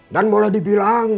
dan boleh dibilang